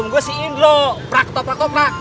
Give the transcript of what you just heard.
kan seharusnya sebelum gue si indro prak toprak toprak